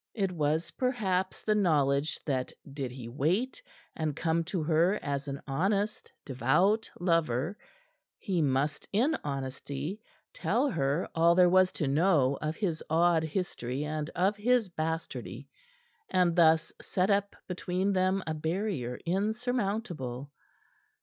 It was, perhaps, the knowledge that did he wait, and come to her as an honest, devout lover, he must in honesty tell her all there was to know of his odd history and of his bastardy, and thus set up between them a barrier insurmountable.